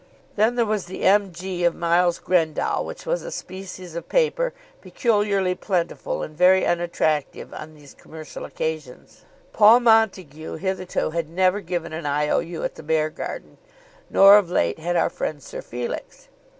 Then there was the M. G. of Miles Grendall, which was a species of paper peculiarly plentiful and very unattractive on these commercial occasions. Paul Montague hitherto had never given an I.O.U. at the Beargarden, nor of late had our friend Sir Felix.